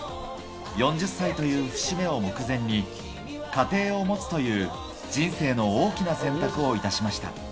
４０歳という節目を目前に、家庭を持つという人生の大きな選択をいたしました。